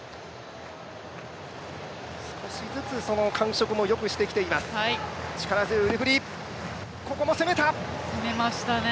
少しずつ感触もよくしてきています、力強い腕振り、ここも攻めた。